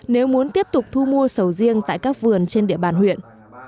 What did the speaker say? nếu muốn tiếp tục thu mua sầu riêng tại các vườn trên địa bàn huyện